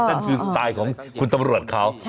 นั่นคือสไตล์ของคุณตำรวจเขา